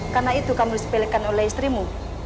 karena itu kamu disepelekan oleh istrimu